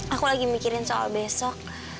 aku lagi mikirin soal besok